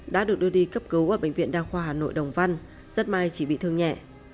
đã được đưa đi cấp cứu ở bệnh viện đa khoa hà nội đồng văn rất may chỉ bị thương nhẹ